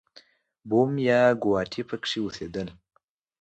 بوم یا ګواټي پکې اوسېدل.